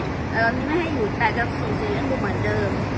แต่เราไม่ให้อยู่แต่จะส่งเสียเลี้ยงลูกเหมือนเดิม